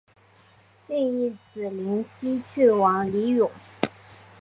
另一子灵溪郡王李咏。